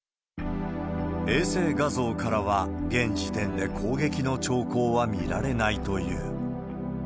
衛星画像からは、現時点で攻撃の兆候は見られないという。